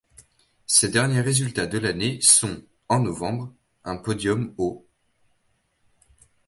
Ses derniers résultats de l'année sont, en novembre, un podium au '.